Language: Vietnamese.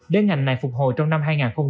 để ngành này phục hồi trong năm hai nghìn hai mươi